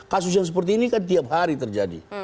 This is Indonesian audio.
kasus yang seperti ini kan tiap hari terjadi